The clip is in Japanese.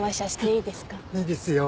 いいですよ。